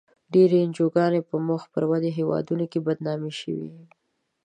ډېری انجوګانې په مخ پر ودې هېوادونو کې بدنامې شوې.